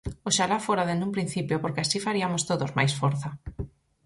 Oxalá fora dende un principio porque así fariamos todos máis forza.